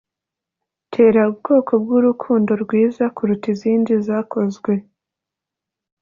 'tera ubwoko bwurukundo rwiza kuruta izindi zose zakozwe